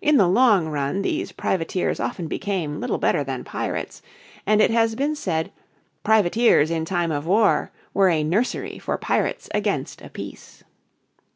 In the long run these privateers often became little better than pirates, and it has been said "privateers in time of war were a nursery for pirates against a peace."